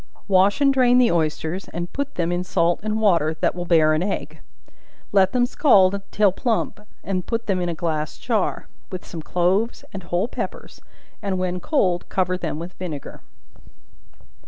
Wash and drain the oysters, and put them in salt and water, that will bear an egg; let them scald till plump, and put them in a glass jar, with some cloves and whole peppers, and when cold cover them with vinegar.